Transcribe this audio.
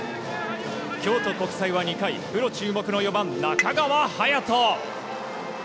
京都国際は２回プロ注目の４番、中川勇斗。